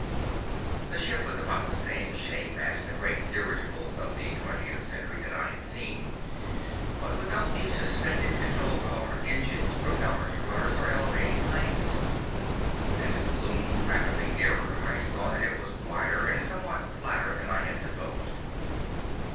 The ship was about the same shape as the great dirigibles of the 20th Century that I had seen, but without the suspended control car, engines, propellors, rudders or elevating planes. As it loomed rapidly nearer, I saw that it was wider and somewhat flatter than I had supposed.